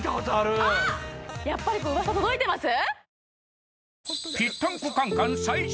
あっやっぱり噂届いてます？